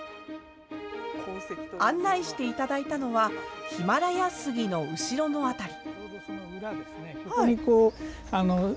案内していただいたのは、ヒマラヤスギの後ろの辺り。